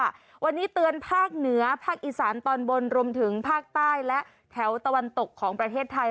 วันนี้เตือนภาคเหนือภาคอีสานตอนบนรวมถึงภาคใต้และแถวตะวันตกของประเทศไทย